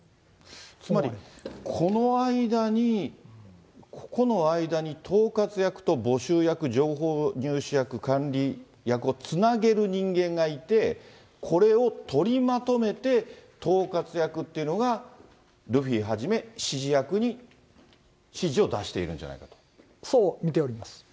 つまりこの間にここの間に統括役と募集役、情報入手役、管理役をつなげる人間がいて、これを取りまとめて、統括役というのがルフィはじめ指示役に指示を出しているんじゃなそう見ております。